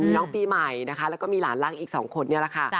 มีน้องปีใหม่แล้วก็มีหลานล่างอีก๒คนนี้ล่ะค่ะ